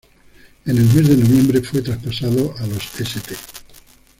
En el mes de noviembre fue traspasado a los St.